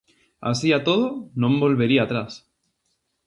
Así a todo, non volvería atrás.